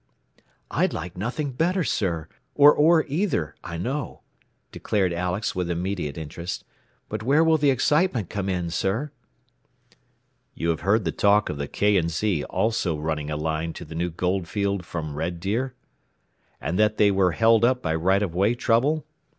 "I'd like nothing better, sir, or Orr either, I know," declared Alex with immediate interest. "But where will the excitement come in, sir?" "You have heard the talk of the K. & Z. also running a line to the new gold field from Red Deer? And that they were held up by right of way trouble?